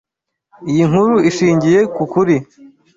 Iyi nkuru ishingiye ku kuri.